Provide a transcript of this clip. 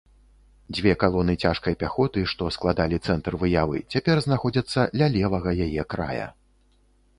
Дзве калоны цяжкай пяхоты, што складалі цэнтр выявы, цяпер знаходзяцца ля левага яе края.